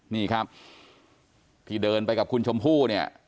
นี่ครับที่เดินไปกับคุณชมพู่เนี่ย